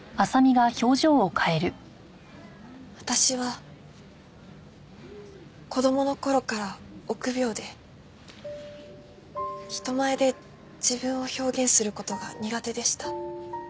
私は子供の頃から臆病で人前で自分を表現する事が苦手でした。